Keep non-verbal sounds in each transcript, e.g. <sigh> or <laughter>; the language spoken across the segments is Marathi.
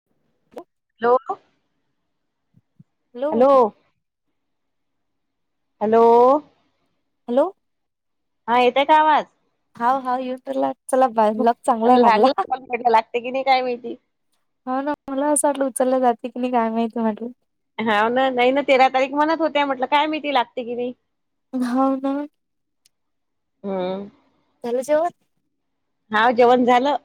<inaudible> हॅलो. हॅलो. हॅलो. हॅलो. हा येतय का आवाज. हा हा युट्यूब ला चला बाय लॉग चांगलाय लागला. लागते कि नाही काय माहिती. हा ना मला असं वाटलं उचललं जाते की नाही काय माहिती म्हटलं. हा ना नाही ना तेरा तारीख म्हणत होते म्हटलं काय महिती लागते की नाही. होा ना. हम्म. झालं जेवन. हा जेवण झालं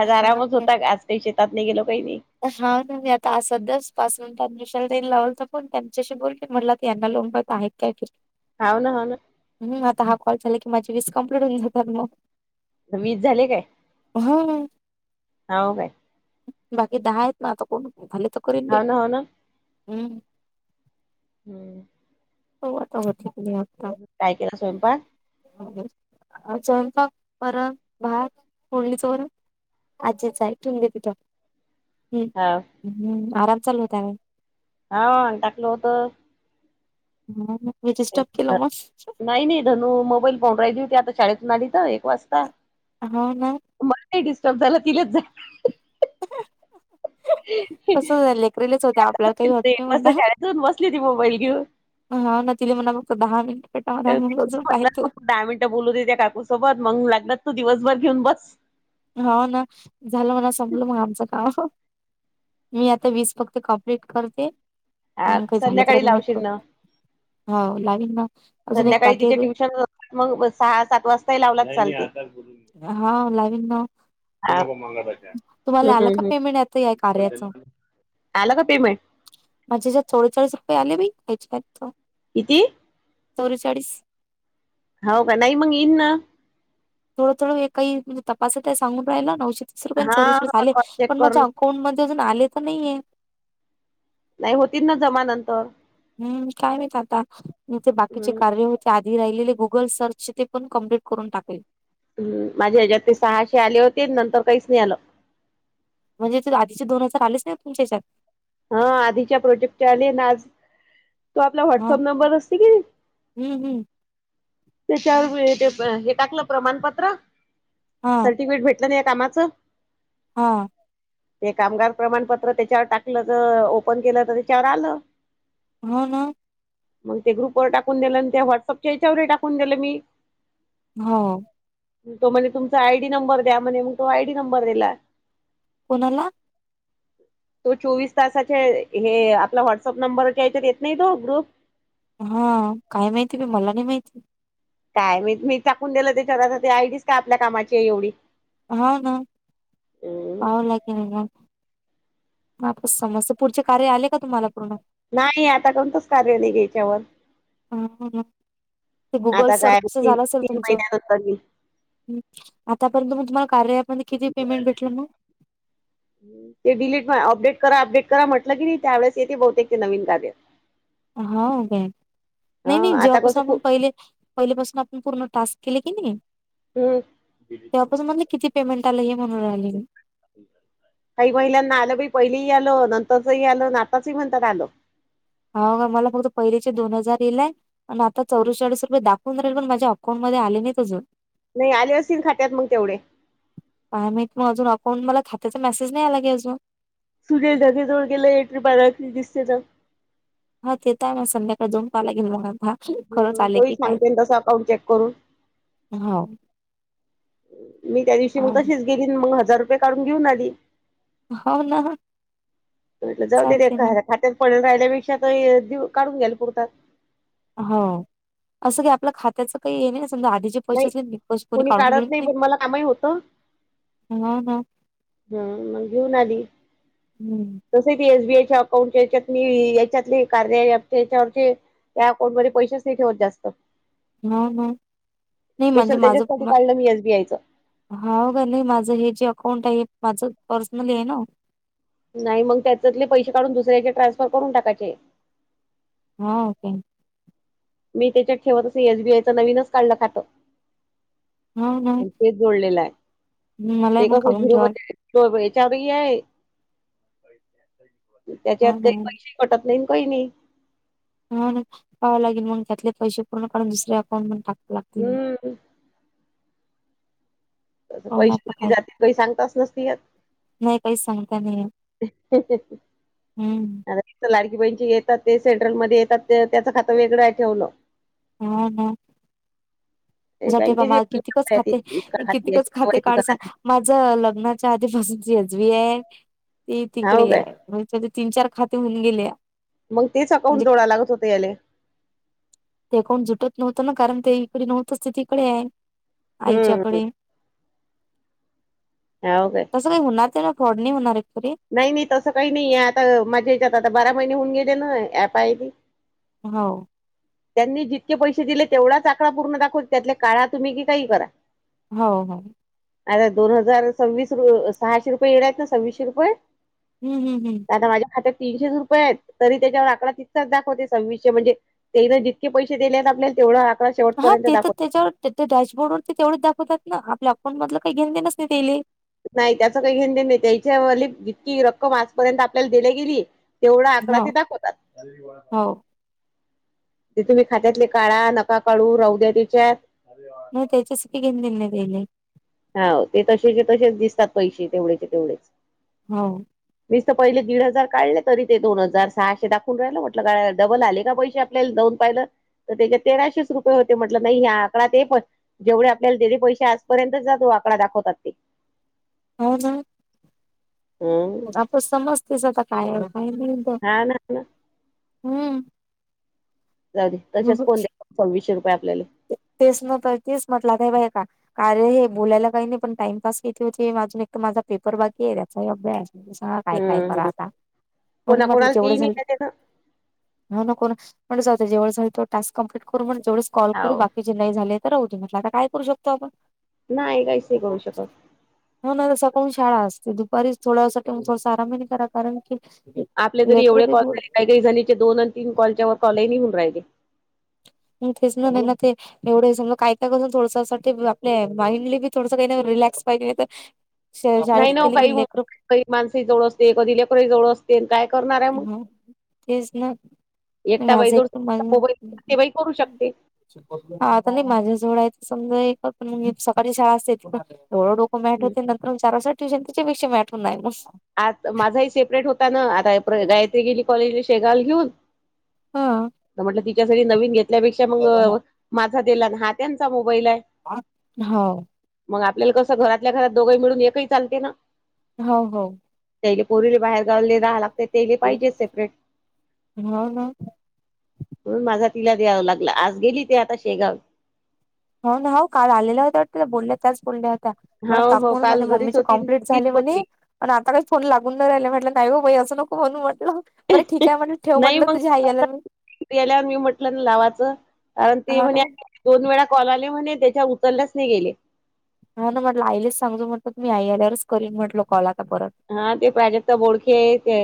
आज हा आरामच होता आज काही शेतात नाही गेलो काही नाही. हा ना मी आता सध्याच पासून त्यांनशलदान लावल तर पण त्यांच्याशी बोलली म्हटला त यांना लोबत आहे. काय कर. हा ना ह ना. हम आता हा कॉल झाला की माझी विस कम्प्लीट होन जातात मग. वीज झाले काय हा हो काय. बाकी दहा आहेत ना आता कोण झाली तर करेन बाई हाव ना हाव ना हम्म. हम. हो तो ठीक <unintelligible> काय केला स्वयंपाक. <unintelligible> स्वयंपाक परत भात फडणी वरण. अच्छाच्छ ऐटून घेत तिथ हम हाव हम आराम चालू होता काय. हा टाकलं होतं. हज सप के मस्त <unintelligible> नाही नाही धनू मोबाईल पोंड राहिली होती आता शाळेतून आली तर एक वाजता. हा ना. मला डिस्टर्ब झालं तिथच जा. कसं लेकरीलीच होते्या आपल्याला काही होत ते नाही मस्त म्हणा. शाळेतून बसली होती मोबाईल घेऊन. हा ना तिले म्हणा बघत दहा मिनिट पेटा तर रजून म्हटलं पाहतू. फक्त दहा मिनिटं बोलू द त्या काकूसोबत मग लागत तू दिवसभर घेऊन बस. हो ना झालं म्हणा संपल मग आमचं काम. मी आता वीस फक्त कॉम्प्लीट करते हा मग काही संध्याकाळी झालंरी लावशील नटवक. ना हो लावीन ना. अजून एक संध्याकाळी बाकी आहे तिचे ते ट्युशन मग सहा सात वाजताही लावलाच चालते. हा लावीन बा. ह पेमेंट आता या कार्याचं आला का पेमेंट. माझे ज्या थोडे थोेसप्े <unintelligible> आले ब काहीचे काही किती. चौरचाळीस. हो का नाहीई मंग इना. थोडं थडं का म्हण तपासात आहे सांगून राहिला नऊशे तीस रुपयाे हा चौराश झाले कॉल चेक पणज करून अकाउंट. कोण मध्ये अजून आले तर नाहीये. नाही होती ना जमानंतर. हम्म काय नाहीत आता इथे बाकीचे हम्म. कार्य हो. त्या आधी राहिले गुगल सर्च ते पण कम्प्लीट करून टाकेल. हम् माझ्या ह्याच्यात ते सहाशे आले होते नंतर काहीच नाही आलं. म्हणजे ते आधचे दोन हजार आलेच ना तुमच्यात. हा आधीच्या प्रोजेक्ट आले आज तो आपला हा व्हॉट्सअप नंबर असते की हम्म हम्म त्याच्यावर ते हे टाकलं प्रमाणपत्र हा सर्टिफिकेट भेटलं ना या कामाचं हा ते कामगार प्रमाणपत्र त्याच्यावर टाकलं ज ओपन केलं तर त्याच्यावर आलं हो ना मग ते ग्रुपवरर टाकून दिलं आणि ते व्हॉट्सअपच्या याच्यावर टाकून दिलं मी हो तो म्हणज तुमचा आयडी नंबर द्या म्हणे मग तो आयडी नंबर दिला कोणाला तो चोवीस तासाचे हे आपला व्हॉटसअप नंबरच्या या्याच्यात येत नाही तो ग्रुप हा काय माहिती ब मला नाही माहिती काय मी मी चाकून दिलं ते रा ते आयडीच का आपल्या कामाची एवढी हा ना हम्म. पाह लागे नाही म प समजते पुढचे कार्य आले का तुम्हाला पूर्ण नाही आता कोणतच कार्यालय घ्यायच्यावर ह ते गुगल आता काय सर्च तीन झालं असेल तीन तुमचं महिन्यानंतर येईल आतापर्यंत मग तुम्हाला कार्यालयापर् किती पेमेंट भेटलं मग ते डिलीट अपडेट करा अपडेट करा म्हटलं की नाही त्यावेळेस येते बहुतेक ते नवीन कार्य होा काय ह नाही नाही आता जॉबस कसं आपण खूप पहिले पहिल्यापासून आपण पूर्ण टास्क केले की नाही हम् तेव्हापासून म्हण किती पेमेंट आलं हे म्हणून आले म काही महिलांना आलं बाई पहिलेही आलं नंतरचही आलं नाताचही म्हणतात आलं हाव ना मला फक्त पहिलेचे दोन हजार यिलाय आणि आता चौरेचाळीस रुपये दाख <unintelligible> पण माझ्या अकांटमध्ये आले नाही अजून नाही आले असतील. खात्यात मग तेवढे काय माहित मग अजून अकाउंट मला खात्याचा मेसेज नाही. आला काही अजून सुजय दादाजवळ गेलंय <unintelligible> दिसते तर हा तेेत आहे. मग संध्याकाळी जाऊन पायला लागेल मग हा हं कोही सांगते ना तसं अकाउंट चेक करून हो मी त्या दिवशी मग तशीच गेली मग हजार रुपये काढून घेऊन आली हाव ना जऊदी चालते देखा ना. ख त्यात पळण राहिल्यापेक्षा काढून घ्यायला पुरतात हो असं की आपल्या खात्याचं काही आहे नाही समजा आधी नाही कुणी काढत नाही पण मला कामाही होतं हा ना हम मग घेऊन आली हम्म तसे ती एसबीआयच्या अकाउंटच्यात याच्यातले कार्या त्याच्यावरचे त्या अकाउंट मध्ये पैशच नाही ठेवत जास्त हम हम स्पेशल त्याच्यासाठी काढलं मी एसबीआय चं होा का नाही माझं हे जे अकाउंट आहे माझं पर्सनली आहे ना नाही मग त्याच्यातले पैसे काढून दुसऱ्याचे ट्रान्सफर करून टाकायचे हा का मी त्याच्यात ठेवत एसबीआयचं नवीनच काढलं खातो नाही नाही. तेच जोडलेलं आहे, ते कसं काढून झिरो ठेवा बजेट तो <unintelligible> आहे त्याच्यात हा ना काही पैसे पटत नेमकही नही. होना पाहावं लागेल, मग त्यातले पैसे पूर्ण काढून दुसऱ्या अकाउंट मध टाकांव लागतील मग. हम्म तस हो ना पैसे आता कधी काय जाते, काही सांगताच नसती येत. नाही काही सांगता नाही येत. अ हम्म <inaudible> तिथ लाडकी बहीनची येतात. ते सेंट्रल मध्ये येतात. ते त्याचं खातं वेगळं ठेवलं. हा हा <unintelligible> ते टे <unintelligible> बा बँकेची म कितीकच खाते एका हाती कितीकच याची खाते केवायसी करा काडसा त्याची माझं लग्नाच्या आधीपासून जजबी आहे, ती हाव तिकडे काय आहे. <unintelligible> होय तीन चार खाते होऊन गेले या. मग तेच अकाउंट जोडाय लागत होते याले. ते कोण झुटत नव्हतंना कारण ते इकडे नव्हतच, ते तिकडे आहे हम्म आईच्याकडे हाव काय. जसं काही होणार, ते ना फ्रॉड नाही होणार एक तरी नाही नाही तसं काही नाही आहे. आता माझ्या याच्यात आता बारा महिने होऊन गेले ना ॲप आहे. हो <inaudible> त्यांनी जितके पैसे दिले. तेवढाच आकडा पूर्ण दाखवते. त्यातले काळा तुम्ही की काही करा. हो हो अर दोन हजार सव्वीस र सहाशे रुपयेला आहेत. ना सव्वीसशे रुपये हम्म हम्म हम्म आता माझ्या खात्यात तीनशेच रुपये आहेत, तरी त्याच्यावर आकडा तितकाच दाखवते. सव्वीसशे म्हणजे तेन जितके पैसे दिले आहेत. आपल्याला तेवढं अकडा हा शेवटपर्यंत ते दाखवत त्याच्यावर तर त्या डॅशबोर्डवर तर तेवढच दाखवतात ना आपल्या अकाउंट मधलं, काही घेण देणच नही त्यायले. नाही त्याच काही घेणदेण नाही. त्यायच्या वाली जितकी रक्कम आजपर्यंत आपल्याला देल्या गेली. तेवढा आकडा हो ते दाखवतात. हो जथेम्ही खात्यातले काळा नका काढू राहु द्या त्याच्यात. नव तेचे साठी घेणं देणं नवले. हा ते तसेचे तसेच दिसतात पैसे तेवढेचे तेवढेच. हो. मीस तर पहिले दीड हजार काढले तरी ते दोन हजार सहाशे दाखून राहिलं म्हटलं का डबल आले का पैसे. दोन पाहिलं तर त्याच्या तेराशेच रुपये होते म्हटलं नाही ह आकडा ते पण जेवढे आपल्याला दिले पैसे आजपर्यंतच जातो आकडा दाखवतात ते हो ना <inaudible> हम्म आप समजतेस आता काय काही नाही. तर. हा ना आपल. हम्म जाऊदे तशच कोण द्या. सव्वीसशे रुपये आपल्याला तेच न <unintelligible> तेच म्हटलं का बाय का. कार्या हे बोलायला काही नाही, पण टाइमपास किती होते. अजून एक तर माझा पेपर बाकी आहे त्याचा अभ्यास. सांगा काय काय हम्म करा हम्म आता, म्हणून म्हटलं कोणाकोणाला जेवढे तेही झालं नाही देत ना हा नको म्हणं जेवढ झा <unintelligible> तो टास्क कम्प्लीट करू, जेवढ कॉल करू हो बाकी जे नाही झाले तर राहूदे म्हटल, आता काय करू शकतो. आपण नाही काहीच नाही करू शकत. हो ना तसा सकाळून शाळा असते. दुपारी थोड्या साठी ठ <unintelligible> थोडं आराम करा कारण की आपले तरी लेकर एवढे बी कॉल बोल झाले. काही काही जणीचे दोन आणि तीन कॉलच्या वर कॉल ही नही होऊ राहिले. तेच ना ना ते <inaudible> एवढे समज काय का करसून थोडसठी आपल्या माइंडली बी थोडसं काही रिलॅक्स पाहिजे ना तर नाही शाळेत ना गेले काही की लेकर <unintelligible> कधी माणसाही जवळ असते कधी लेकरही जवळ असते. तेन काय करणार आहे मग. तेच ना एकटा माझं एक बाैजोडबाईल ते बाई करू शकते? हा आता नाही माझ्याजवळ आहे समजा पण सकाळी शाळा असते त पण एवढं की मॅट हं. होते नंतर विचारा ट्यूशन त्याच्या पेक्षी मॅटून नाही मस्. आ माझा ह सेपरेट होता ना आता गायत्री गेली कॉलेजला शेगावल घेऊन. हो म्हटलं तिच्यासाठी नवीन घेतल्यापेक्षा मग माझा देलान हा त्यांचा मोबाईल आहे. हो मग आपल्याला कसं घरातल्या घरात दोघंही मिळून एकही चालते ना. हो हो तेैले पोरीले बाहेर गावले राहा लागते तेैले पाहिजे सेपरेट हो ना म्हणून माझा तिला द्यावं लागला आज गेली ते आता शेगाव. हो ना हो काल आलेला होता. बोलल्या त्याच बोलल्या आता मण हो काकू हो म्हण काल माझ्या घरीच मम्मीचे होती कमप्लीट तीच झाले म्हणे. बोलली आणि आता काही फोन लागून न राहिले म्हटलं नाही हो बाई असं नको म्हणू म्हटलं. मर ठीक आहे म्हटलं ठेव म्हटलं तुझ्या आई याला मी ल्यावर मी म्हंटलं ना लावाचं कारण ते हो ना म्हणे दोन वेळा कॉल आले म्हणे त्याच्या उतरल्याच नाही गेले. हा ना म्हटलं आईलेच सांगजू म्हट मी आई आल्यावरच करीन म्हटलो कॉल आता परत हा ते प्राजक्ता बोडखे आहे ते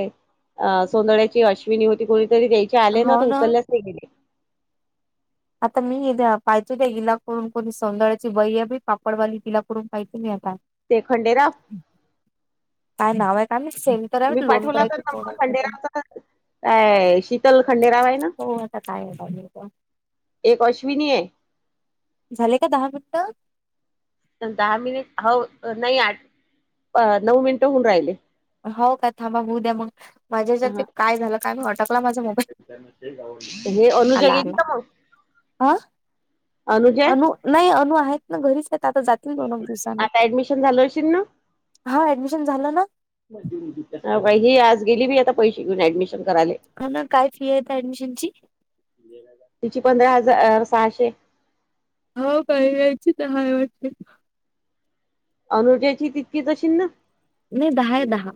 सोंदळ्याची अश्विनी होती कोुणीतरी त्याची आले ना तर उचलल्यास नाही गेले. आता मी द्या पाहतो त्या्या इिलाकडून कोणी सौंदळ्याची बई आहे पापडवाली तिलाकडून पाहिजे मी आता ते खंडेेरा. काय नाव आहे काय माहित सेंड मी करावे लोन पाठवला तर करायचं न कोण आहे ते. संंडेरावचा काय शीतल खंडेराव आहे ना हो आता काय एक अश्विनी आहे. झाले का दहा मिनिटं. दहा मिनिट हो नाही आठ नऊ मिनिटं होऊन राहिले. हो का थांबा बऊ द्या मग माझ्याच्या ते काय झालं काय मी अटकला माझा मोबाईल. नु जागेनी कमव. आं अनु नाही अनु आहेत ना घरीच आहेत आता जातील दोन दिवसाना आता ऍडमिशन झालं असशे ना. हा ऍडमिशन झालं ना. ही आज गेली मी आता पैसे घेऊन ऍडमिशन करायले. ह ना काय फी आहेत ऍडमिशन ची तिची पंधरा हजार सहाशे. हो काय या्यायचीच हायवटते. अनुजाची तितकी तशी ना. नाही दहाय दहा.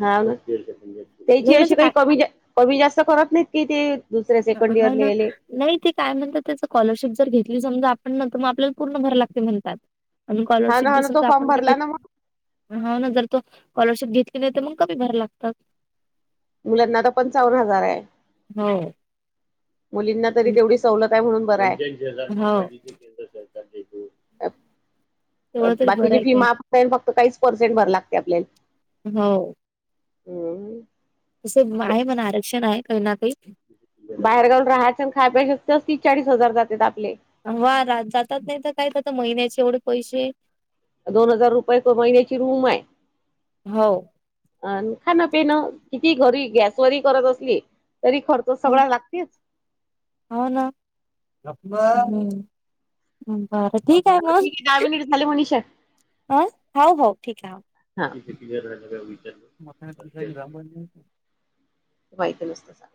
हा त्याची नाही अ म्हणजे काय काही कमी कमी जास्त करत नाहीत कि ते दुसऱ्या ह सेकंड होा इयरला ना याले. नाही ते काय म्हणतात त्याच स्कॉलरशिप जर घेतली समजा आपण न तर मग आपल्याला पूर्ण भरा लागते म्हणतात. आणि हा स्कॉलरशिप ना हा जर ना तो समजा फॉर्म आपण नाही भरला ना घेतली मग अन हाव न जर तो स्कॉलरशिप घेतली नाही तर मग कमी भरा लागतात मुलांना आता पंचावन हजार आहे. हो. मुलींना तरी तेवढी सवलत आहे म्हणून बरं हो आहे. <unintelligible> अ अ तेवढं तरी बरं बाकीची आहे फी काय माफ कॉइन फक्त काहीच पर्सेंट भरा लागते आपल्याले हो. हम. तसं आहे म्हण आरक्षण आहे काही ना काही बाहेर गावला राहायचं अन खायचं <unintelligible> तीस चाळीस हजार जातेत आपले वा रा जातात नाही तर काय करता महिन्याचे एवढे पैसे दोन हजार रुपये एका महिन्याची रूम आहे. हो. अन खाणं पिणं किती घरी गॅसवरही करत असली तरी खर्च सगळा लागतेच हो ना बरं ठीक आहे मग दहा मिनिट झाले मनीषा काय हव हव ठीक आहे हव हां <unintelligible> तेव्हा विचारलं मथायणी तुषायणी रामबाण <unintelligible> ते माहिती नसतं सांग